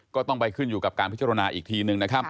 ก็ต้องไปขึ้นอยู่กับการพิจารณาอีกทีนึงนะครับ